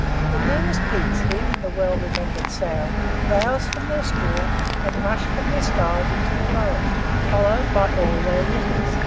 The nearest pigs, hearing the well remembered sound, rouse from their straw, and rush from their sties into the road, followed by all their litters.